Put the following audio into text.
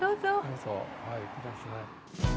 どうぞお入りください。